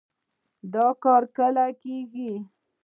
دا کار کله کېږي؟